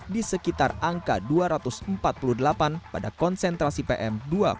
di sekitar angka dua ratus empat puluh delapan pada konsentrasi pm dua puluh empat